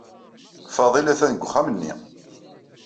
Fadil atan deg uxxam-nni.